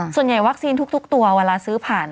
ส่วนใหญ่วัคซีนทุกตัวเวลาซื้อผ่าน